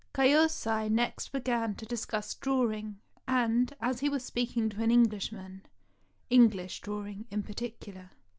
] KiYOSAi next began to discuss drawing, and, as he was speaking to an Englishman, English drawing in particu lar.